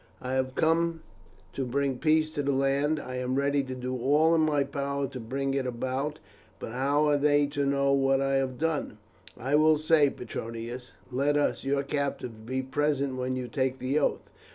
"I have come to bring peace to the land. I am ready to do all in my power to bring it about; but how are they to know what I have done?" "I would say, Petronius, let us, your captives, be present when you take the oath.